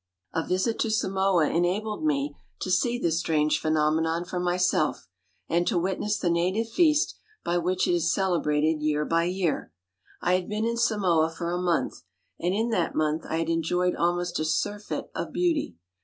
A visit to Samoa enabled me to see this strange phenomenon for myself and to witness the native feast by which it is celebrated year by year. I had been in Samoa for a month and in that month I had enjoyed almost a surfeit of beauty.